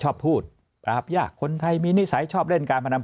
ชอบพูดปราบยากคนไทยมีนิสัยชอบเล่นการพนัน